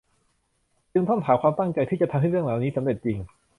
จึงต้องถามถึงความตั้งใจที่จะทำให้เรื่องเหล่านี้สำเร็จจริง